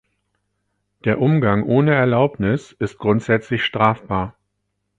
Der Umgang ohne Erlaubnis ist grundsätzlich strafbar.